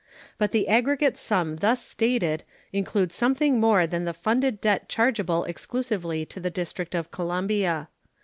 But the aggregate sum thus stated includes something more than the funded debt chargeable exclusively to the District of Columbia.